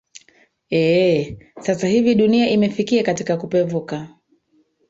eeh sasa hivi dunia imefikia katika kupevuka